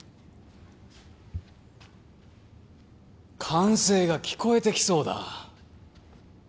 歓声が聞こえてきそうだ。